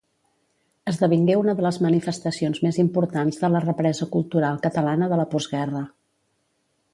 Esdevingué una de les manifestacions més importants de la represa cultural catalana de la postguerra.